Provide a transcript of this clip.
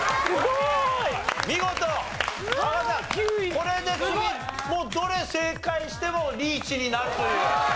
これで次どれ正解してもリーチになるという。